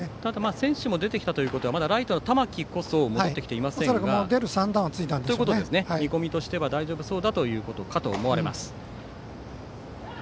選手も出てきたということはまだライトの玉木こそ戻ってきていませんが見込みとしては大丈夫そうだということかと思われます。